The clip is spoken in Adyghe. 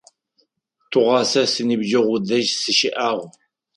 Тыгъуасэ синыбджэгъу дэжь сыщыӏагъ.